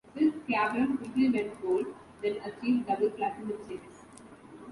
"Since Kyabram" quickly went gold, then achieved double-platinum status.